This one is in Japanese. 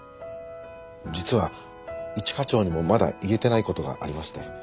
実は一課長にもまだ言えてない事がありまして。